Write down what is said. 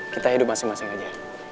kita hidup masing masing aja